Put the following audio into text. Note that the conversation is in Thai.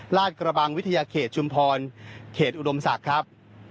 ลาดกระบังวิทยาเขตชุมพรเขตอุดมศักดิ์ครับ